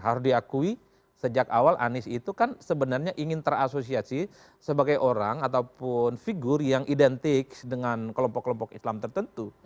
harus diakui sejak awal anies itu kan sebenarnya ingin terasosiasi sebagai orang ataupun figur yang identik dengan kelompok kelompok islam tertentu